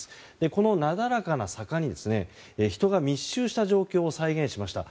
このなだらかな坂に人が密集した状況を再現しました。